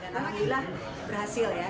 dan wakilnya berhasil ya